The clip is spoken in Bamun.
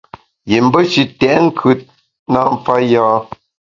Yim be shi tèt nkùt na mfa yâ.